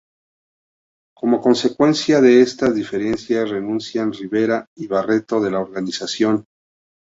Como consecuencia de estas diferencias renuncian Rivera y Barreto de la organización.